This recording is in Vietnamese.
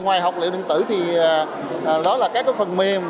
ngoài học liệu điện tử thì đó là các phần mềm